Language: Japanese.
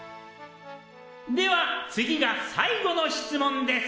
では次が最後の質問です！